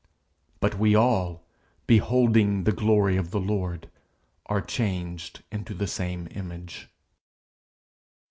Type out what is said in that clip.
But we all, beholding the glory of the Lord, are changed into the same image.